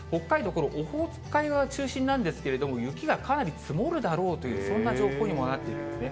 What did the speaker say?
このオホーツク海側中心なんですけれども、雪がかなり積もるだろうという、そんな情報にもなっていますね。